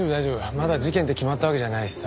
まだ事件って決まったわけじゃないしさ。